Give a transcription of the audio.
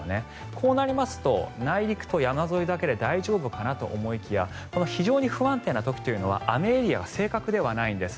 こうなりますと内陸と山沿いだけで大丈夫かなと思いきや非常に不安定な時というのは雨エリアは正確ではないんです。